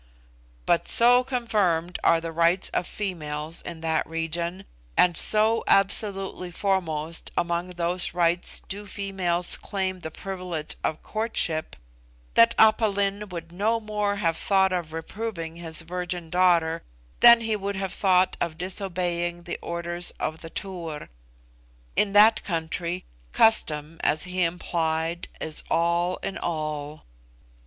But so confirmed are the rights of females in that region, and so absolutely foremost among those rights do females claim the privilege of courtship, that Aph Lin would no more have thought of reproving his virgin daughter than he would have thought of disobeying the orders of the Tur. In that country, custom, as he implied, is all in all.